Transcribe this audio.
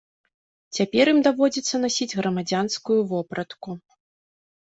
Цяпер ім даводзіцца насіць грамадзянскую вопратку.